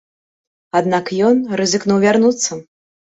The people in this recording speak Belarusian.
Аднак ён рызыкнуў вярнуцца.